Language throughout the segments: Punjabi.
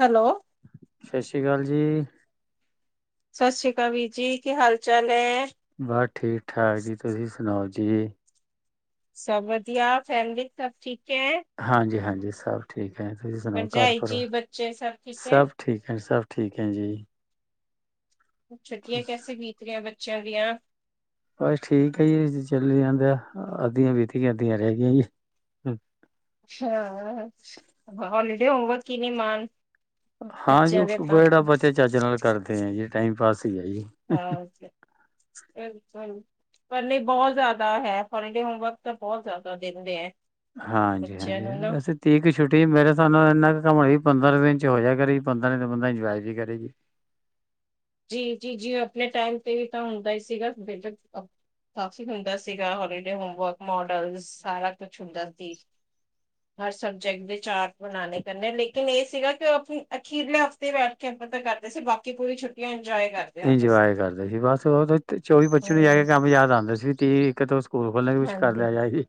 ਹੈਲੋ ਸਤਿ ਸ੍ਰੀ ਅਕਾਲ ਜੀ ਸਤਿ ਸ੍ਰੀ ਅਕਾਲ ਵੀਰ ਜੀ ਕੀ ਹਾਲ ਚਾਲ ਹੈ ਬਸ ਠੀਕ ਠਾਕ ਜੀ ਤੁਸੀਂ ਸੁਣਾਓ ਜੀ ਜੀ ਸਭ ਵਧੀਆ ਫੈਮਲੀ ਚ ਸਭ ਠੀਕ ਹੈ? ਹਾਂਜੀ ਹਾਂਜੀ ਜੀ ਸਭ ਠੀਕ ਤੁਸੀਂ ਸੁਣਾਓ ਘਰ ਭਰਜਾਈ ਭਰਾ ਜੀ, ਬੱਚੇ ਸਭ ਠੀਕ ਹੈ? ਸਭ ਠੀਕ ਹੈ ਸਭ ਠੀਕ ਹੈ ਜੀ ਛੁੱਟੀਆਂ ਕੈੇ ਬੀਤ ਰਿਹੀ ਬੱਚ [unintelligible] ਬਸ ਠੀਕ ਹੈ ਜੀ ਚੱਲ ਜਾਂਦਾ ਅੱਧੀਆਂ ਬੀਤੀਆਂ ਅੱਧੀਆਂ ਰਹਿ ਗਈਆਂ ਜੀ ਹਾਂ ਹਾਲਿਡੇ ਹੋਮਵਕ ਕਿਵੇਂ ਮਾਨ ਹਾਂਜੀ ਉਹ ਜਿਹੜਾ ਬੱਚਾ ਚੱਜ ਨਾਲ ਕਰਦੇ ਆ ਜੀ ਟਾਈਮ ਪਾਸ ਹੀ ਹੈ ਜੀ ਹਾਂ ਚ ਪਰ ਨਹੀਂ ਬਹੁਤ ਜ਼ਿਆਦਾ ਹੈ ਹੋਲੀਡੇ ਹੋਮਵਰਕ ਤਾਂ ਬਹੁਤ ਜ਼ਿਆਦਾ ਦਿੰਦੇ ਹੈ ਹਾਂਜੀ ਬੱਚਿਆਂ ਹਾਂਜੀ ਨੂੰ ਨਾ। ਵਸੀੇ ਤੀਕ ਛੁੱਟੀ ਮੇਰੇ ਸਾਬ ਨਾਲ ਇੰਨਾ ਕੁ ਘਮ ਪੰਦਰਾਂ ਦਿਨ ਚ ਹੋਇਆ ਕਰੇ ਪੰਦਰਾਂ ਦਿਨ ਬੰਦਾ ਇੰਜੋਏ ਵੀ ਕਰੇਗੀ ਜੀ ਜੀ ਜੀ ਆਪਣੇ ਟਾਈਮ ਤੇ ਵੀ ਤਾਂ ਹੁੰਦਾ ਹੀ ਸੀਗਾ ਬ ਕਾਫੀ ਹੁੰਦਾ ਸੀਗਾ ਹੋੇ ਹੋਮਵਰਕ ਮੋਡਲ ਸਾਰਾ ਕੁਛ ਹੁੰਦਾ ਸੀ ਹਰ ਸਬਜੈਕਟ ਦੇ ਚਾਰਟ ਬਣਾ ਲੇਕਨ ਇਹ ਸੀਗਾ ਕਿ ਆਪ ਅਖੀਰਲੇ ਹਫ਼ਤੇ ਬੈਠ ਕੇ ਆਪਾਂ ਕਰਦੇ ਸੀ ਬਾਕੀ ਪੂਰੀੁ ਛੁਟ [unintelligible] ਇੰਜੋਏ ਕਰਦੇ ਸੀ ਬਸ ਉਹ ਚੋਵੀ ਬੱਚੀ ਨੂੰ ਜਾ ਕੇ ਹੂੰ, ਕੰਮ ਯਾਦ ਆਉਂਦੇ ਸੀ ਠੀਕ ਆ ਤੁਸੀ ਸਕੂਲ ਖੋਲਣੇ ਵੀ ਕੁਛ ਕਰ ਹਾਂਜੀ। ਲਿਆ ਜਾਏ ਜੀ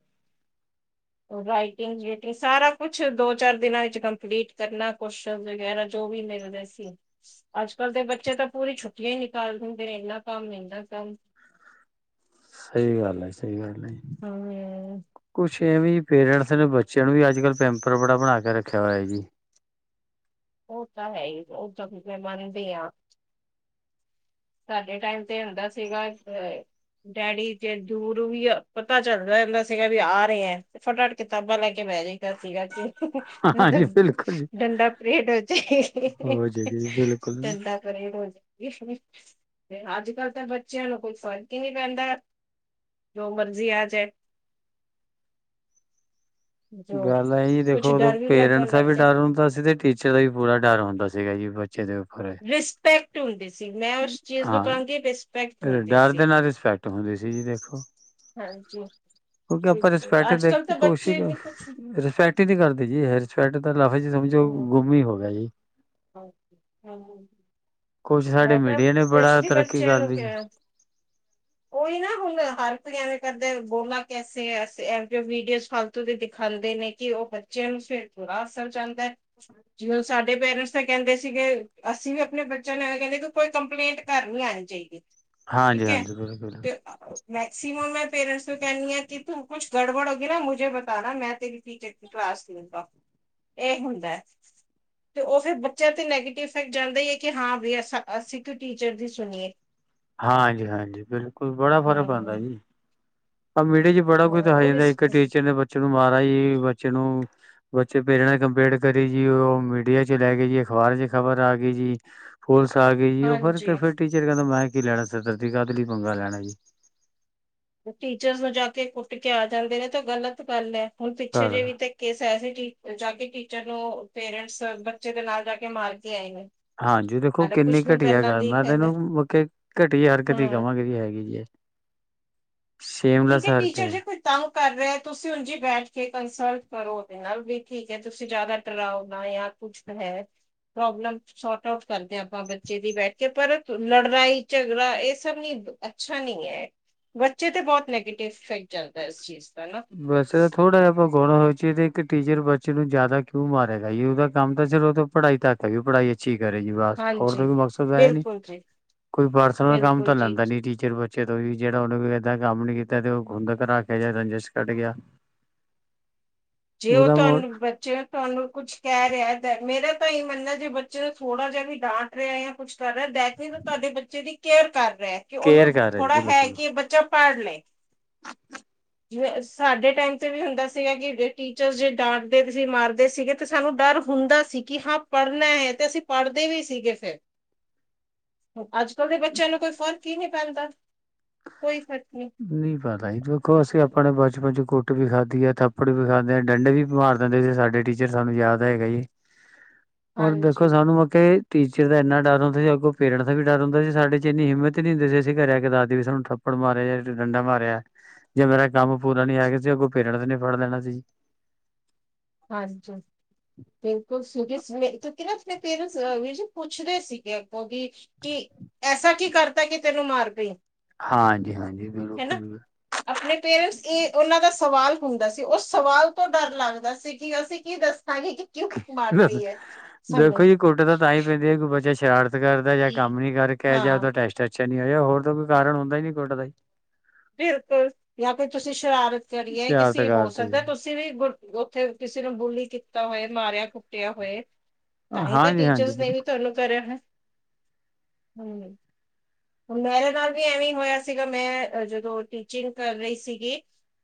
ਰਾਈਟਿੰਗ ਰੁਟਿੰਗ ਸਾਰਾ ਕੁਛ ਦੋ ਚਾਰ ਦਿਨਾਂ ਵਿੱਚ ਕੰਪਲੀਟ ਕਰਨਾ ਕੋਸ਼ਨ ਵਗੈਰਾ ਜੋ ਵੀ ਮਿਲਦੇ ਸੀ ਅੱਜ ਕਲ ਦੇ ਬੱਚੇ ਤਾਂ ਪੂਰੀ ਛੁੱਟੀਆਂ ਹੀ ਨਿਕਾਲ ਦਿੰਦੇ ਇਨਾ ਕੰਮ ਇਨਾ ਕੰਮ ਸਹੀ ਗੱਲ ਸਹੀ ਗੱਲ ਹੂੰ। ਕੁਛ ਕਿਵੇਂ ਪੇਰੈਂਟਸ ਨੇ ਬੱਚਿਆਂ ਨੂੰ ਵੀ ਅੱਜ ਕੱਲ ਪੈਂਪ ਰਪੜਾ ਬਣਾ ਕੇ ਰੱਖਿਆ ਹੋਇਆ ਜੀ ਉਹ ਤਾਂ ਹੈ ਹੀ ਉਹ ਤਾਂ ਮੈਂ ਮੰਨਦੀ ਹਾਂ ਸਾਡੇ ਟਾਈਮ ਤੇ ਹੁੰਦਾ ਸੀਗਾ ਡੈਡੀ ਜੇ ਦੂਰ ਵੀ ਪਤਾ ਚੱਲਦਾ ਹਹਦਾ ਸੀਗਾ ਵੀ ਆ ਰਹੇ ਆ ਫਟਾਫਟ ਕਿਤਾਬਾਂ ਲੈ ਕੇ ਬਹਿ ਜਾਂਦਾ ਸੀਗਾ ਕਿ ਹਾਂਜੀ ਬਿਲਕੁਲ ਜੀ ਰੇਡੋ ਜੇ ਹੋ ਜਾਏਗੀ ਜੀ ਬਿਲਕੁਲ। ਝੰਡਾ ਪਰੇਡ ਹੋ ਜੇ ਤੇ ਅੱਜ ਕੱਲ ਤਾਂ ਬੱਚਿਆਂ ਨੂੰ ਕੋਈ ਫ਼ਰਕ ਹੀ ਨਹੀਂ ਪੈਂਦਾ ਜੋ ਮਰਜ਼ੀ ਆ ਜਾਏ ਜੋ ਗੱਲ ਇਹ ਜ ਕੁਛ ਦੇਖੋ ਉਦੋਂ ਡਰ ਵੀ ਲੱਗਣ ਪੇਰੈਂਟਸ ਦਾ ਲੱਗ ਵੀ ਗਿਆ ਡਰ ਹੁੰਦਾ ਸੀ ਤੇ ਟੀਚਰ ਦਾ ਵੀ ਪੂਰਾ ਡਰ ਹੁੰਦਾ ਸੀਗਾ ਜੀ ਬੱਚੇ ਦੇ ਉੱਪਰ। ਰਿਸਪੈਕਟ ਹੁੰਦੀ ਸੀ ਮੈਂ ਉਸ ਚੀਜ਼ ਨੂੰ ਹਾਂ ਕਹਾਂਗੀ ਰਿਸਪੈਕਟ ਹੁੰਦੀ ਡਰ ਸੀ ਦੇ [unintelligible] ਜੀ ਦੇਖੋ ਹਾਂਜੀ ਕਿਉਂਕਿ ਆਪਾਂ ਰਿਸਪੈਕਟ ਅੱਜ ਦੇਖ ਕੱਲ ਕੇ ਤਾਂ ਕੋਸ਼ਿਸ਼ ਬੱਚੇ ਨੇ ਕੁਛ ਰਿਸਪੈਕਟ ਹੀ ਨਹੀਂ ਕਰਦੇ ਜੀ ਹੈ ਰਿਸਪੈਕਟ ਲਫ਼ਜ ਚ ਸਮਝੋ, ਹੂੰ, ਕੁਛ ਸਾਡੇ ਮੈਂ ਤਾਂ ਮੀਡੀਆ ਨੇ ਬੜਾ ਸਪੈਸ਼ਲੀ ਤਰੱਕੀ ਬੱਚਿਆਂ ਕਰ ਨੂੰ ਲਈ ਜੀ, ਕਿਹਾ ਉਹੀ ਨਾ ਹੁੰਦਾ ਹਰ ਐਵੇਂ ਕਰਦੇ ਬੋਲਾਂ ਕੈਸੇ ਐਸੇ ਵੀਡੀਓ ਫਾਲਤੂ ਦੇ ਦਿਖਾਦੇ ਨੇ ਕਿ ਉਹ ਬੱਚਿਆਂ ਨੂੰ ਫਿਰ ਥੋੜ੍ਹਾ ਅਸਰ ਜਾਂਦਾ ਹੈ ਜਿਵੇ ਸਾਡੇ ਪੇਰੈਂਟਸ ਤਾਂ ਕਹਿੰਦੇ ਸੀਗੇ ਅਸੀਂ ਵੀ ਆਪਣੇ ਬੱਚੇ ਤੇ ਮੈਂਨੁ ਕਹਿੰਦੇ ਕੋਈ ਕੰਪਲੇਂਟ ਘਰ ਨਹੀਂ ਲੈਣੀ ਚਾਹੀਦੀ। ਹਾਂਜੀ-ਹਾਂਜੀ ਬਿਲਕੁਲ ਮੈਕਸੀਮ ਮੈਂ ਪੇਰੈਂਟਸ ਨੂੰ ਕਹਿੰਦੀ ਹਾ ਕਿ ਤੂੰ ਕੁਛ ਗੜਬੜ ਹੋ ਨਾ ਮੁਝੇ ਬਤਾ ਮੈਂ ਤੇਰੀ ਟੀਚਰ ਦੀ ਕਲਾਸ ਲੂਂਗਾ ਇਹ ਹੁੰਦਾ ਤੇ ਉਹਂਦਾ ਫੇਰ ਬੱਚਿਆਂ ਤੇ ਨੈਗੇਟਿਵ ਇਫੈਕਟ ਜਾਂਦਾ ਈ ਐ ਕੀ। ਕਿ ਹਾਂ ਸਿਕ ਟੀਚਰ ਦੀ ਸੁਣੀ, ਹਾਂਜੀ-ਹਾਂਜੀ ਬਿਲਕੁਲ ਬੜਾ ਫ਼ਰਕ ਪੈਦਾ ਹਮ ਜੀਂ ਆ ਵੇੜਾ ਚ ਬੜਾ ਕੁਝ ਦਿਖਾਈ ਹੋਰ ਜਾਂਦਾ ਇਸ ਇੱਕ ਟੀਚਰ ਦੇ ਬੱਚੇ ਨੂੰ ਮਾਰ ਬਾਈ ਬੱਚੇ ਨੂੰ ਬੱਚੇ ਪੇ ਰਹਿਣਾ ਕੰਪੇਅਰ ਕਰੀ ਜੀ ਉਹ ਮੀਡੀਆ ਚ ਲੈ ਕੇ ਜੀ ਅਖਬਾਰ ਚ ਖਬਰ ਆ ਗਈ ਜੀ। ਪੁਲਸ ਆ ਗਈ ਜੀ ਉਹ ਹਾਂਜੀ ਫਿਰ ਟੀਚਰ ਕਹਿੰਦਾ ਮੈਂ, ਕੀ ਲੈਣਾ ਸਿਰ ਦਰਦ ਦੀ ਕਾਹ ਤੇ ਲਈ ਪੰਗਾ ਲੈਣਾ ਜੀ। ਟੀਚਰਸ ਨੂੰ ਜਾ ਕੇ ਕੁੱਟ ਕੇ ਆ ਜਾਂਦੇ ਨੇ ਤੇ ਗ਼ਲਤ ਗੱਲ ਐ। ਹੁਣ ਪਿੱਛੇ ਘਰ ਜੇ ਦਾ ਵੀ ਤੇ ਕੇਸ ਆਇਆ ਸੀ। ਜਾ ਕੇ ਟੀਚਰ ਨੂੰ ਪੇਰੈਂਟਸ ਬੱਚੇ ਦੇ ਨਾਲ ਜਾ ਕੇ ਮਾਰ ਕੇ ਆਏ। ਹਾਂਜੀ, ਦੇਖੋ ਹਾਲੇ ਕਿੰਨੀ ਕੁਛ ਦਿਨ ਘਟੀਆ ਪਹਿਲਾਂ ਗੱਲ ਦੀ ਮੈਂ ਤ ਇਹਨੂੰ ਹੈ ਮ ਘਟੀਆ ਹਰਕਤ ਹਾਂ ਕਵਾਂਗੇ ਜੀ। ਸੇਮਲਾ ਠੀਕ ਹੈ ਸਾਰਕ, ਟੀਚਰ ਜੇ ਕੋਈ ਤੰਗ ਕਰ ਰਹੇ ਤੁਸੀਂ ਉਲਝੀ ਬੈਠ ਕੇ ਕੰਸਲਟ ਕਰੋ ਉਹਦੇ ਨਾਲ ਵੀ ਠੀਕ ਜੇ ਤੁਸੀਂ ਜਿਆਦਾ ਡਰਾ ਨਾ ਪ੍ਰੋਬਲਮ ਸੋਰਟ ਆਫ ਕਰਦੇ ਆ ਆਪਾਂ ਬੱਚੇ ਦੀ ਬੈਠ ਕੇ ਪਰ ਲੜਨਾ ਇਹ ਸਭ ਹੀ ਅੱਛਾ ਨਹੀਂ ਹੈ ਬੱਚੇ ਤੇ ਬਹੁਤ, ਨੈਗੇਟਿਵ ਇਫੈਕਟ ਚੱਲਦਾ ਹੈ ਇਸ ਚੀਜ਼ ਦਾ ਨਾ ਬਸ ਇਹ ਥੋੜਾ ਜਿਹਾ ਆਪ ਗੁਣ ਹੋ ਚ ਤੇ ਇੱਕ ਟੀਚਰ ਬੱਚੇ ਨੂੰ ਜਿਆਦਾ ਕਿਉਂ ਮਾਰੇਗਾ ਜੀ ਉਹਦਾ ਕੰਮ ਤਾਂ ਫਿਰ ਉਹ ਪੜ੍ਹਾਈ ਤੱਕ ਹੈ ਵੀ ਪੜਾਈ ਅੱਛੀ, ਕਰੇ ਜੀ ਬਸ ਹੋਰ ਤਾਂ ਹਾਂਜੀ ਕੋਈ ਮਕਸਦ ਇਹ ਨੀ ਬਿਲਕੁਲ ਜੀ ਕੋਈ ਪਰਸਨਲ ਕੰਮ ਬਿਲਕੁਲ ਤਾਂ ਜੀ ਲੈਂਦਾ ਨੀ ਟੀਚਰ ਬੱਚੇ, ਜਦੋਂ ਵੀ ਜਿਹੜਾ ਉਹਨੇ ਕੋ ਏਦਾਂ ਕੰਮ ਨੀ ਕੀਤਾ ਤੇ ਉਹ ਖੁੰਦ ਕਰ ਰੱਖਿਆ ਜਾ ਰੰਜ ਛੱਡ ਗਿਆ। ਜੇ ਉਹ ਉਹਦਾ ਮੋੜ ਤੁਹਾਨੂੰ ਬੱਚੇ ਤੁਹਾਨੂੰ ਕੁਛ ਕਹਿ ਰਿਹਾ ਮੇਰਾ, ਤਾਂ ਹੀ ਮੰਨਦਾ ਜੇ ਬੱਚੇ ਨੂੰ ਥੋੜ੍ਹਾ ਜਿਹਾ ਵੀ ਡਾਂਟ ਰਿਹਾ ਜਾਂ ਕੁਛ ਕਰ ਰਿਹਾ ਬੈਕ ਵੀ ਤੁਹਾਡੇ ਬੱਚੇ ਦੀ ਕੇਅਰ ਕਰ। ਰਹਿ ਕੇ ਕੇਅਰ ਉਹਨੂੰ ਕਰ ਰਿਹਾ ਜੀ ਥੋੜਾ ਹੈ ਬਿਲਕੁਲ। ਕਿ ਇਹ ਬੱਚਾ, ਪੜਲੇ, ਜਿਵੇਂ ਸਾਡੇ ਟਾਈਮ ਤੇ ਵੀ ਹੁੰਦਾ ਸੀਗਾ ਕਿ ਟੀਚਰ ਜੇ ਡਾਂਟਦੇ ਸੀ ਮਾਰਦੇ ਸੀਗੇ ਤਾਂ ਸਾਨੂੰ ਡਰ ਹੁੰਦਾ ਸੀ, ਕਿ ਹਾਂ ਪੜ੍ਹਨਾ ਹੈ ਤੇ ਅਸੀਂ ਪੜ੍ਹਦੇ ਵੀ ਸੀਗੇ ਫਿਰ, ਅੱਜ ਕੱਲ ਦੇ ਬੱਚਿਆਂ ਨੂੰ ਕੋਈ ਫ਼ਰਕ ਹੀ ਨੀ, ਸਕਦਾ ਕੋਈ, ਨਹੀਂ ਪਤਾ ਇਹ ਵਖੋ ਅਸੀਂ, ਆਪਣੇ ਬਚਪਨ ਚ ਕੁੱਟ ਵੀ ਖਾਧੀ ਹੈ ਥੱਪੜ ਵੀ ਖਾਦੇ ਆ ਡੰਡੇ ਵੀ ਮਾਰ ਦਿੰਦੇ ਸੀ ਸਾਡੇ ਟੀਚਰ ਸਾਨੂੰ ਯਾਦ ਹੈਗਾ ਜੀ। ਹੋਰ ਦੇਖੋ ਹਾਂਜੀ ਸਾਨੂੰ ਮ ਟੀਚਰ ਦਾ ਇੰਨਾ ਡਰ ਹੁੰਦਾ ਸੀ ਅੱਗੋਂ ਪੇਰੈਂਟਸ ਦਾ ਡਰ ਹੁੰਦਾ ਸੀ ਸਾਡੇ ਚ ਇੰਨੀ ਹਿੰਮਤ ਨਹੀਂ ਹੁੰਦੀ ਸੀ ਅਸੀਂ ਘਰੇ ਆ ਕਿ ਦੱਸ ਦਈਏ ਵੀ ਸਾਨੂੰ ਥੱਪੜ ਮਾਰਿਆ ਜਾਏ ਡੰਡਾ ਮਾਰਿਆ ਜੇ ਮੇਰਾ ਕੰਮ ਪੂਰਾ ਨੀ ਸੀ ਅੱਗੋਂ ਪੇਰੈਂਟਸ ਨੇ ਫੜ ਲੈਣਾ ਸੀ ਜੀ ਹਾਂਜੀ ਬਿਲਕੁਲ [unintelligible] ਕਿਉਂ ਕਿ ਨਾ ਤੇ ਪੇਰੈਂਟਸ ਵੀਰ ਜੀ ਪੁੱਛਦੇ ਸੀਗੇ ਅੱਗੋਂ ਕਿ ਐਸਾ ਕੀ ਕਰਤਾ ਕਿ ਤੈਨੂੰ ਮਾਰ ਪਈ ਹਾਂਜੀ-ਹਾਂਜੀ ਹੈਨਾ ਬਿਲਕੁਲ ਆਪਣੇ ਪੇਰੈਂਟਸ ਇਹ ਉਹਨਾਂ ਦਾ ਸਵਾਲ ਹੁੰਦਾ ਸੀ ਉਹ ਸਵਾਲ ਤੋਂ ਡਰ ਲੱਗਦਾ ਸੀ ਕੀ ਅਸੀਂ ਕੀ ਦੱ ਦੇਖੋ ਸਾਨੂੰ ਜੀ ਕੁੱਟ ਤਾਂ ਤਾਂ ਹੀ ਪੈਂਦੇ ਆ ਬੱਚਾ ਸ਼ਰਾ ਰਤ ਕਰਦਾ ਜਾਂ ਕੰਮ ਨੀ ਕਰਕੇ ਜਾਂ ਹਾਂ ਉਹਦਾ ਟੈਸਟ ਅੱਛਾ ਨੀ ਹੋਇਆ ਹੋਰ ਤਾਂ ਕੋਈ ਕਾਰਨ ਹੁੰਦਾ ਹੀ ਨੀ ਕੁੱਟ ਦਾ ਜੀ ਬਿਲਕੁਲ ਜਾਂ ਫਿਰ ਤੁਸੀਂ ਸ਼ਰਾਰਤ ਕਰੀਏ ਸ਼ਰਾਰਤ ਕਿਸੇ ਹੋ ਕਰਤੀ ਸਕਦਾ ਹੈ ਤੁਸੀਂ ਵੀ ਗੁਰ ਉੱਥੇ ਕਿਸੇ ਨੇ ਬੋਲੀ ਕੀਤਾ ਹੋਏ ਮਾਰਿਆ ਕੁੱਟਿਆ ਹੋਏ ਤਾਂਹੀ ਤਾਂ ਹਾਂਜੀ-ਹਾਂਜੀ ਟੀਚਰਸ ਨੇ ਵੀ ਬਿਲਕੁਲ ਤੁਹਾਨੂੰ ਕਰਿਆ ਹੈ ਹੂੰ ਮੇਰੇ ਨਾਲ ਵੀ ਐਵੇਂ ਹੋਇਆ ਸੀਗਾ ਮੈਂ ਜਦੋਂ ਟੀਚਿੰਗ ਕਰ ਰਹੀ ਸੀਗੀ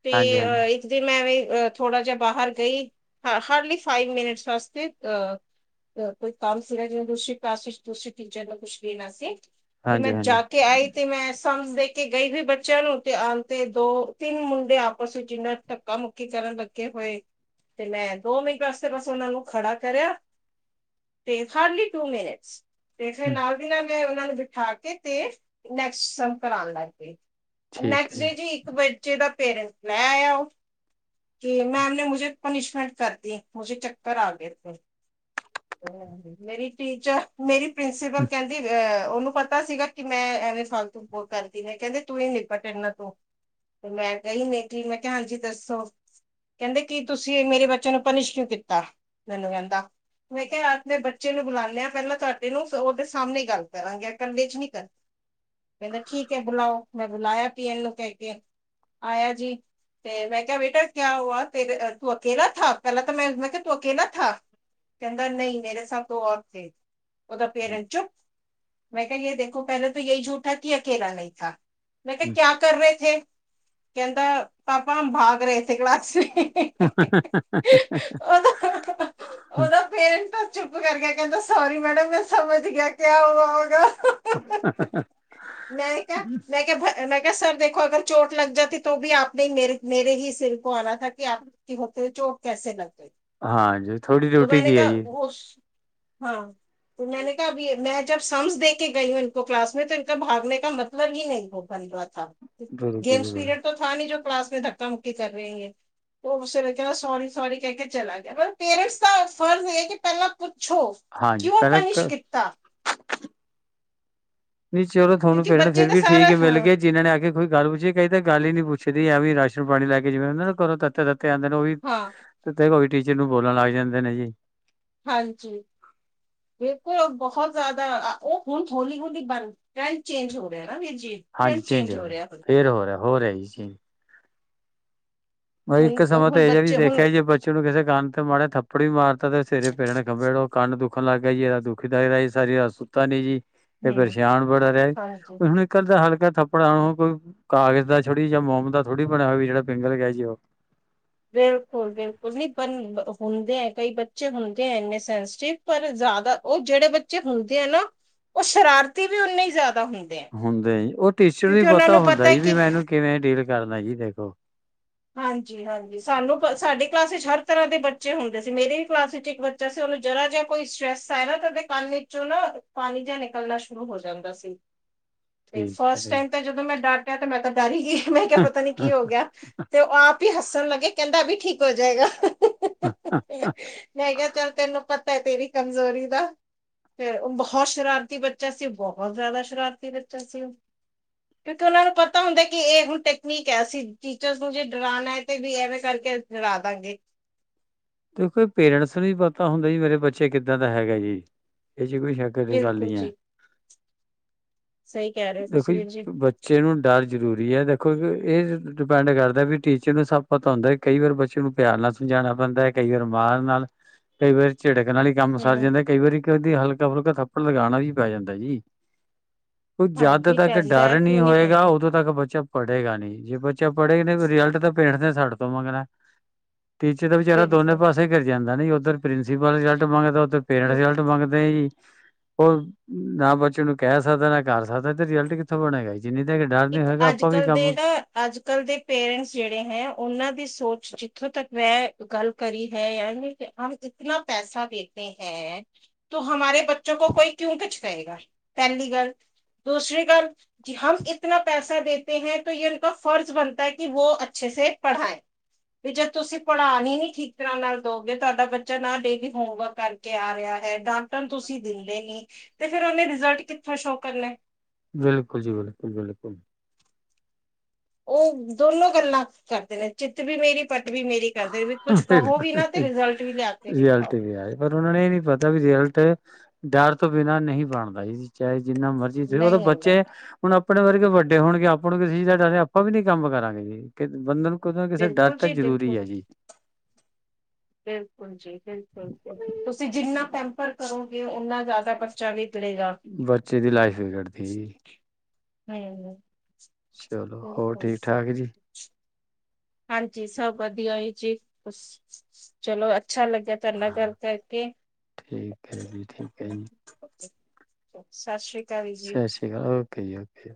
ਤੇ ਹਾਂਜੀ-ਹਾਂਜੀ, ਇੱਕ ਦਿਨ ਮੈਂ ਐਵੇਂ ਅ ਥੋੜਾ ਜਿਹਾ ਬਾਹਰ ਗਈ ਹ ਹਾਰਡਲੀ ਫਾਈਵ ਮਿੰਨਟਸ ਵਾਸਤੇ ਅਹ ਕੋਈ ਕੰਮ ਸੀ ਨਾ ਜਿਵੇਂ ਦੂਸਰੀ ਕਲਾਸ ਵਿੱਚ ਦੂਸਰੀ ਟੀਚਰ ਦਾ ਕੁਛ ਦੇਣਾ ਸੀ ਤੇ ਮੈਂ ਹਾਂਜੀ-ਹਾਂਜੀ ਜਾ ਕੇ ਆਈ ਤੇ ਮੈਂ ਸਮਝ ਦੇ ਕੇ ਗਈ ਹੋਈ ਬੱਚਿਆਂ ਨੂੰ ਤੇ ਆਂਦੇ ਦੋ ਤਿੰਨ ਮੁੰਡੇ ਆਪਸ ਵਿੱਚ ਇੰਨਾ ਧੱਕਾ ਮੁੱਕੀ ਕਰਨ ਲੱਗੇ ਹੋਏ ਤੇ ਮੈਂ ਦੋ ਮਿੰਟ ਵਾਸਤੇ ਬਸ ਉਹਨਾਂ ਨੂੰ ਖੜਾ ਕਰਿਆ ਤੇ ਹਾਰਡਲੀ ਟੂ ਮਿਨਿਟਸ ਤੇ ਫਿਰ ਹੂੰ ਨਾਲ ਦੀ ਨਾਲ ਉਹਨਾਂ ਨੂੰ ਬਿਠਾ ਕੇ ਤੇ ਨੈਕਸਟ ਸਮ ਕਰਾਣ ਲਾ ਗਈ ਠੀਕ ਨੈਕਸਟ ਡੇ ਹੈ ਜੀ ਇੱਕ ਬ ਚੇ ਦਾ ਪੇਰੈਂਟਸ ਲੈ ਆਇਆ ਉਹ ਕਿ ਮੈਮ ਨੇ ਮੈਨੂੰ ਪਨੀਸ਼ਮੈਂਟ ਕਰਤੀ ਮੁਜੇ ਚੱਕਰ ਆ ਗਏ ਥੇ ਮੇਰੀ ਟੀਚਰ ਮੇਰੀ ਪ੍ਰਿੰਸੀਪਲ ਕਹਿੰਦੀ ਅ ਉਹਨੂੰ ਪਤਾ ਸੀਗਾ ਕਿ ਮੈਂ ਐਵੇਂ ਫਾਲਤੂ ਬੋ ਕਰਦੀ ਨੇ ਕਹਿੰਦੇ ਤੂੰ ਹੀ ਨਿਪਟ ਇਹਨਾਂ ਤੋਂ ਤੇ ਮੈਂ ਕਹੀ ਨੇ ਕਿ ਮੈਂ ਕਿਹਾ ਹਾਂਜੀ ਦੱਸੋ ਕਹਿੰਦੇ ਕਿ ਤੁਸੀਂ ਮੇਰੇ ਬੱਚਿਆਂ ਨੂੰ ਪਨਿਸ਼ ਕਿਉਂ ਕੀਤਾ ਮੈਨੂੰ ਕਹਿੰਦਾ ਮੈਂ ਕਿਹਾ ਆਪਣੇ ਬੱਚੇ ਨੂੰ ਬੁਲਾਉ ਲਿਆ ਪਹਿਲਾਂ ਤੁਹਾਡੇ ਨੂੰ ਉਹਦੇ ਸਾਹਮਣੇ ਗੱਲ ਕਰਾਂਗੇ ਕੱਲੇ ਚ ਨੀ ਕਰਨੀ ਕਹਿੰਦਾ ਠੀਕ ਹੈ ਬੁਲਾਓ ਮੈਂ ਬੁਲਾਇਆ ਪੀਅਨ ਨੂੰ ਕਹਿ ਕੇ ਆਇਆ ਜੀ ਤੇ ਮੈਂ ਕਿਹਾ ਬੇਟਾ ਕਿਆ ਹੂਆ ਤੂੰ ਅਕੇਲਾ ਥਾ ਪਹਿਲਾਂ ਤਾਂ ਮੈਂ ਮੈਂ ਕਿਹਾ ਤੂੰ ਅਕੇਲਾ ਥਾ ਕਹਿੰਦਾ ਨਹੀਂ ਮੇਰੇ ਸਾਥ ਦੋ ਔਰ ਥੇ ਉਹਦਾ ਪੇਰੈਂਟਸ ਚੁੱਪ ਮੈਂ ਕਿਹਾ ਜੇ ਦੇਖੋ ਪਹਿਲੇ ਤਾਂ ਇਹੀ ਝੂਠਾ ਕਿ ਅਕੇਲਾ ਨਹੀਂ ਥਾ ਮੈਂ ਕਿਹਾ ਜੀ। ਕਿਆ ਕਰ ਰਹੇ ਥੇ ਕਹਿੰਦਾ ਪਾਪਾ ਹਮ ਭਾਗ ਰਹੇ ਥੇ ਕਲਾਸ ਚ ਹ ਹਾਂ ਹਾਂ ਉਹਦਾ ਹਾਂ ਉਹਦਾ ਪੇਰੈਂਟ ਤਾਂ ਚੁੱਪ ਕਰ ਗਿਆ ਕਹਿੰਦਾ ਸੌਰੀ ਮੈਡਮ ਮੈਂ ਸਮਝ ਗਿਆ ਕਿਆ ਹੂਆ [unintelligible] ਮੈਂ ਕਿਹਾ, ਮੈਂ ਕਿਹਾ, ਮੈਂ ਕਿਹਾ ਸਰ ਦੇ ਅਗਰ ਚੋਟ ਲੱਗ ਜਾਤੀ ਤੋ ਭੀ ਆਪਨੇ ਮੇਰੇ ਮੇਰੇ ਹੀ ਸਿਰ ਕੋ ਆਣਾ ਕੇ ਆਪ ਕੇ ਹੋਤੇ ਚੋਟ ਕੈਸੇ ਨਾ ਹਾਂਜੀ ਥੋੜ੍ਹੀ ਡਿਊਟੀ ਕੀ ਹੈ ਜੀ। ਹਾਂ। ਮੈਂਨੇ ਕਿਹਾ ਅਭੀ ਮੈਂ ਕਮਸ ਦੇ ਕੇ ਗਈ ਇਨ ਕਲਾਸੇ ਤੇ ਇਨ ਭਾਗਣੇ ਕਾ ਮਤਲਬ ਹੀ ਨਹੀਂ ਹੋਗਾ। ਬਿਲਕੁਲ ਗੇਮਸ ਬਿਲਕੁਲ ਪੀਰੀਅਡ ਤੋਂ ਥਾ ਨੀ ਜੋ ਕਲਾਸ ਧੱਕਾ ਮੁੱਕੀ ਕਰ ਰਹੀ ਹੈ ਤੇ ਉਹ ਸਵੇਰੇ ਕਹਿੰਦਾ ਸੋਰੀ ਸੋਰੀ ਕਹਿ ਕੇ ਚਲਾ ਗਿਆ ਪਰ ਪੇਰੈਂਟਸ ਦਾ ਫਰਜ਼ ਇਹ ਕਿ ਪਹਿਲਾਂ ਪੁ ੱਛੋ ਹਾਂਜੀ ਕਿਉਂ ਪਹਿਲਾਂ ਪਨਿਸ਼ ਕੀਤਾ। ਨਹੀਂ ਚਲੋ ਤੁਹਾਨੂੰ ਕਿਉਂਕਿ ਭੈਣ ਬੱਚੇ ਫਿਰ ਦਾ ਵੀ ਠੀਕ ਸਾਰਾ ਮਿਲ ਹਾਂ ਗਏ ਜਿਨ੍ਹਾਂ ਨੇ ਆ ਕੇ ਕੋਈ ਗੱਲ ਪੁੱਛੀ ਕਈ ਤਾਂ ਗੱਲ ਹੀ ਨੀ ਪੁੱਛੀ ਜਦੀ ਐ ਵੀ ਰਾਸ਼ਨ ਪਾਣੀ ਲੈ ਕੇ ਜਿਵੇਂ ਨਾ ਕਰੋ ਤੱ ਤੇ ਆ ਜਾਂਦੇ ਨੇ ਉਹ ਵੀ ਹਾਂ ਤੇ ਟੀਚਰ ਨੂੰ ਬੋਲਣ ਲੱਗ ਜਾਂਦੇ ਨੇ ਜੀ। ਹਾਂਜੀ। ਬਿਲਕੁਲ ਬਹੁਤ ਜ਼ਿਆਦਾ ਉਹ ਹੁਣ ਹੌਲੀ ਹੌਲੀ ਬਣ ਟੈਂਡ ਚੇਂਜ ਹੋ ਰਿਹਾ। ਨਾ ਵੀਰ ਜੀ ਹਾਂਜੀ ਟ੍ਰੈਂਡ ਚੇਂਜ ਹੋ ਹੋਹਾ ਰਿਹਾ ਹੁਣ ਫੇਰ ਹੋ ਰਹਾ ਹੋ ਰਿਹਾ ਜੀ ਚੇਂਜ ਬ ਇੱਕ ਹੁਣ ਤੇ- ਸਮਾਂ ਤਾਂ ਹੁਣ ਇਹ ਜਿਹਾ ਵੀ ਬੱਚੇ ਹੁਣ ਦੇਖਿਆ ਜੇ ਬੱਚੇ ਨੂੰ ਕਿਸੇ ਕੰਨ ਤੇ ਮਾੜਾ ਥੱਪੜ ਵੀ ਮਾਰਤਾ ਤੇ ਸੇਰੇ ਪੇਰੈਂਟਸ ਨੇ ਖੰਭੇੋ ਕੰਨ ਦੁੱਖ ਦੁਖਨ ਲੱਗ ਜੀ ਇਹਦਾ ਦੁਖਦਾ ਰਿਹਾ ਜੀ ਸਾਰੀ ਰਾਤ ਦਾ ਸੁੱਤਾ ਨੀ ਜੀ। ਤੇ ਹੂੰ ਪਰੇਸ਼ਾਨ ਬੜਾ ਰਿਹਾ ਹਾਂਜੀ ਹੁਣ ਇੱਕ ਅੱਧਾ ਹਲਕਾ ਥੱਪੜਾਂ ਨੂੰ ਉਹ ਕੋਈ ਕਾਗਜ਼ ਦਾ ਛੋੜੀ ਜਾਂ ਮੋਮ ਥੜੀ ਬਣਿਆ ਹੋਈ ਜਿਹੜਾ ਪਿੰਗਲ ਗਿਆ ਜੀ ਉਹ ਬਿਲਕੁਲ ਬਿਲਕੁਲ ਨੀ ਪਰ ਹੁੰਦੇ ਹੈ ਕਈ ਬੱਚੇ ਹੁੰਦੇ ਹੈ ਇੰਨੇ ਸੈਂਸਟਿਵ ਪਰ ਜ਼ਿਆਦਾ ਉਹ ਜਿਹੜੇ ਬੱਚੇ ਹੁੰਦੇ ਹੈ ਨਾ ਉਹ ਸ਼ਰਾਰਤੀ ਵੀ ਉਨੇ ਹੀ ਜ਼ਿਆਦਾ ਹੁੰਦੇ ਆ ਹੁੰਦੇ ਜੀ ਉਹ ਟੀਚਰ ਵੀ ਕਿਉਂਕਿ ਉਹਨਾਂ ਪਤਾ ਨੂੰ ਹੈ ਹੁੰਦਾਈ ਵੀ ਕਿ ਮੈਨੂੰ ਕਿਵੇਂ ਕਿੰਨੇ ਕਰਨਾ ਜੀ ਦੇਖੋ ਹਾਂਜੀ ਹਾਂਜੀ ਸਾਨੂੰ ਸਾਡੇ ਕਲਾਸ ਵਿੱਚ ਹਰ ਤਰ੍ਹਾਂ ਦੇ ਬੱਚੇ ਹੁੰਦੇ ਸੀ ਮੇਰੇ ਵੀ ਕਲਾਸ ਵਿੱਚ ਇੱਕ ਬੱਚਾ ਸੀ ਉਹਨੂੰ ਜਰਾ ਜਿਹਾ ਕੋਈ ਸਟਰ੍ਰੈਸ ਆਇ ਨਾ ਤਾਂ ਉਹਦੇ ਕੰਨ ਵਿਚੋ ਪਾਣੀ ਜਿਹਾ ਨਿਕਲਣਾ ਸ਼ੁਰੂ ਹੋ ਜਾਂਦਾ ਸੀ। ਤੇ ਠੀਕ ਫਸਟ ਹੈ ਟਾਈਮ ਤਾਂ ਜਦੋਂ ਮੈਂ ਡਾਰਕ ਤੇ ਮੈਂ ਤਾਂ ਡਰ ਇ। ਮੈਂ ਕਿਹਾ ਪਤਾ ਨੀ ਕੀ ਹੋ ਗਿਆ। ਆਪ ਹੀ ਹੱਸਣ ਲੱਗੇ ਕਹਿੰਦਾ ਅਬੀ ਠੀਕ ਹੋ ਜਾਏਗਾ। ਮੈਂ ਕਿਹਾ ਚਲ ਤੈਨੂੰ ਪਤਾ ਤੇਰੀ ਕਮਜ਼ੋਰੀ ਦਾ ਤੇ ਉਹ ਬਹੁਤ ਸ਼ਰਾਰਤੀ ਬੱਚਾ ਸੀ ਬਹੁਤ ਜ਼ਿਆਦਾ ਸ਼ਰਾਰਤੀ ਬੱਚਾ ਸੀ ਉਹ ਕਿਉਂਕਿ ਉਹਨਾਂ ਨੂੰ ਪਤਾ ਹੁੰਦਾ ਕਿ ਇਹ ਹੁਣ ਟੈਕਨੀਕ ਹੈ ਸੀ ਟੀਚਰ ਤੂੰ ਜੇ ਡਰਾਉਣਾ ਹੈ ਤੇ ਵੀ ਐਵੇਂ ਕਰਕੇ ਡਰਾ ਦਾਂਗੇ ਦੇਖੋ ਇਹ ਪੇਰੈਂਟਸ ਨੂੰ ਪਤਾ ਹੁੰਦਾ ਜੀ ਮੇਰੇ ਬੱਚੇ ਕਿੱਦਾਂ ਦਾ ਹੈਗਾ ਜੀ ਇਹ 'ਚ ਕੋਈ ਚੱਕਰ ਦੀ ਗੱਲ ਬਿਲਕੁਲ ਹੀ ਹੈ ਜੀ ਸਹੀ ਕਹਿ ਰਹੇ ਹੋ ਦੇਖੋ ਤੁਸੀਂ ਜੀ ਵੀਰ ਬੱਚੇ ਨੂੰ ਡਰ ਜਰੂਰੀ ਹੈ ਦੇਖੋ ਇਹ ਡਿਪੈਂਡ ਕਰਦਾ ਵੀ ਟੀਚਰ ਨੂੰ ਸਭ ਪਤਾ ਹੁੰਦਾ ਕਈ ਵਾਰ ਬੱਚੇ ਨੂੰ ਪਿਆਰ ਨਾਲ ਸਮਝਾਉਣਾ ਪੈਂਦਾ ਕਈ ਵਾਰ ਮਰ ਨਾਲ ਕਈ ਵਾਰ ਝਿੜਕ ਨਾਲ ਹੀ ਕੰਮ ਸਰ ਹਮ ਜਾਂਦਾ ਕਈ ਵਾਰੀ ਕਿ ਉਹਦੀ ਹਲ ਫਰਕਾ ਥੱਪੜ ਲਗਾਉਣਾ ਵੀ ਪੈ ਜਾਂਦਾ ਜੀ ਉਹ ਜਦ ਹਾਂਜੀ ਤੱਕ ਪੈਂਦਾ ਹੈ ਡਰ ਨਹੀਂ ਕਿਉਂ ਹੋਏਗਾ ਪੈਂਦਾ ਉਦੋਂ ਤੱਕ ਬੱਚਾ ਪੜੇਗਾ ਨੀ ਜੇ ਬੱਚੇ ਪੜ੍ਹੇਗੇ ਨੇ ਰਿਜ਼ਲਟ ਤਾਂ ਪਿੰਠ ਤੇ ਸਾਡੇ ਤੋਂ ਮੰਗਣਾ ਤਟੀਚੇ ਦਾ ਵਿਚਾਰਾ ਬਿਲਕੁਲ ਪਾਸੇ ਹੀ ਕਰ ਕਦਾ ਨੀ ਉੱਧਰ ਪ੍ਰਿੰਸੀਪਲ ਰਿਜਲਟ ਮੰਗਦਾ ਪੇਰੈਂਟ ਕਿਉਂਕਿ ਰਿਜ਼ਲਟ ਮੰਗਦੇ ਆ ਜੀ ਉਹ ਨਾ ਬੱਚੇ ਨੂੰ ਕਹਿ ਸਕਦਾ ਨਾ ਕਰ ਸਕਦਾ ਇਹ ਤੇ ਰਿਜਲਟ ਕਿੱਥੋਂ ਬਣੇਗਾ ਜਿੰਨੀ ਤੱਕ ਡਰ ਨੀ ਇੱਕ ਹੋਏਗਾ ਅੱਜ ਆਪਾਂ ਵੀ ਕੱਲ ਦੇ ਕੰਮ ਨਾ ਅੱਜ ਕੱਲ ਦੇ ਪੇਰੈਂਟਸ ਜਿਹੜੇ ਹੈ ਉਹਨਾਂ ਦੀ ਸੋਚ ਇੱਥੋਂ ਤੱਕ ਵੇ ਗੱਲ ਕਰੀ ਹੈ ਯਾਨੀ ਹ ਇਤਨਾ ਪੈਸਾ ਦੇਤੇ ਹੈ ਤ ਹਮਾਰੇ ਬੱਚੋਂ ਕੋ ਕੋਈ ਕਿਉਂ ਕੁਛ ਕਹੇਗਾ ਪਹਿਲੀ ਗੱਲ ਦੂਸਰੀ ਗੱਲ ਜ ਹ ਇਤਨਾ ਪੈਸਾ ਦੇਤੇ ਹੈ ਤੇ ਇਹ ਫਰਜ਼ ਬਣਦਾ ਹੈ ਕਿ ਵੋ ਅੱਛੇ ਸ ਪੜ੍ਹਾਏ ਵੀ ਜੇ ਤੁਸੀਂ ਪੜ੍ਹਾਨ ਹੀ ਨੀ ਠੀਕ ਤਰ੍ਹਾਂ ਨਾਲ ਦੋਗੇ ਤੁਹਾਡਾ ਬੱਚਾ ਨਾ ਡੇਲੀ ਹੋਮਵਰਕ ਕਰਕੇ ਆ ਰਿਹਾ ਹੈ ਡਾਟਨ ਤੁਸੀਂ ਦਿੰਦੇ ਨੀ ਤੇ ਫਿਰ ਉਹਨੇ ਰਿਜ਼ਲਟ ਕਿੱਥ ਸ਼ੋ ਕਰਨਾ ਬਿਲਕੁਲ ਜੀ ਬਿਲਕੁਲ ਬਿਲਕੁਲ ਉਹ ਦੋਨੋ ਗੱਲਾਂ ਕਰਦੇ ਨੇ ਚਿੱਤ ਵੀ ਮੇਰੀ ਪੱਟ ਵੀ ਮੇਰੀ ਕਰਦੇ ਵੀ ਕੁਛ ਕਹੋ ਵੀ ਨਾ ਤੇ ਬਿਲਕੁਲ ਰਿਜ਼ਲਟ ਵੀ ਲਿਆ ਕੇ ਰਐਲਟ ਦਿਖਾਓ ਵੀ ਆਏ ਪਰ ਉਹਨਾ ਨੇ ਇਹ ਨੀ ਪਤਾ ਵੀ ਰਅਲਟ ਡਰ ਤੋਂ ਬਿਨਾਂ ਨਹੀਂ ਬਣਦਾ ਜ ਚਾਹੇ ਜਿੰਨਾ ਮਰਜ਼ੀ ਤੁ ਉਹੋਂ ਨਹੀਂ ਆਂਦਾ ਬੱਚੇ ਹੁਣ ਆਪਣੇ ਵਰਗੇ ਵੱਡੇ ਹੋਣਗੇ ਆਪਾਂ ਨੂੰ ਕਿਸਸੀ ਸਾਡਾ ਆਪਾਂ ਵੀ ਨੀ ਕੰਮ ਕਰਾਂਗੇ ਜੀ ਬੰਦੇ ਨੂੰ ਕਿੋਂ ਕਿਸੇ ਡਰ ਬਿਲਕੁਲ ਤਾਂ ਜੀ ਜਰੂਰੀ ਬਿਲਕੁਲ ਹੈੀ ਬਿਲਕੁਲ ਜੀ ਬਿਲਕੁਲ ਤੁਸੀਂ ਜਿੰਨਾ ਪੈਂਪਰ ਕਰੋਗੇ ਓਨਾ ਜ਼ਿਆਦਾ ਬੱਚਾ ਵਿਗੜੇਗਾ ਬੱਚੇ ਦੀ ਲਾਈਫ ਵਿਗੜਦੀ ਹਮ ਹ ਚਲੋ ਹੋਰ ਠੀਕ ਠਾਕ ਜੀ ਹਾਂਜੀ ਸਭ ਵਧੀਆ ਹੀ ਜੀ ਚਲੋ ਅੱਛਾ ਲੱਗਿਆ ਤੁਹਾ ਨਾਲ ਗੱਲ ਕਰਕੇ ਠੀਕ ਹੈ ਜੀ ਠੀਕ ਹੈ ਜੀ ਸਤਿ ਸ਼੍ਰੀ ਅਕਾਲ ਸ ਜੀ ਸ਼੍ਰੀਕਾਲ ਉਹ ਕਈ ਆ ਫ